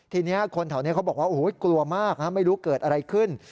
ทีนี้คนแถวนี้เขาบอกว่าโอ้โหกลัวมากไม่รู้เกิดอะไรขึ้น